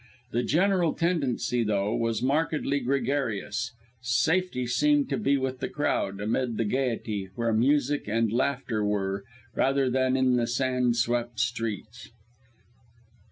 The general tendency, though, was markedly gregarious; safety seemed to be with the crowd, amid the gaiety, where music and laughter were, rather than in the sand swept streets.